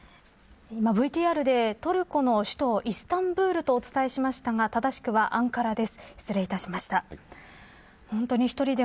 今、ＶＴＲでトルコの首都イスタンブールとお伝えしましたが正しくはアンカラです。